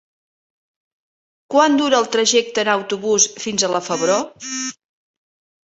Quant dura el trajecte en autobús fins a la Febró?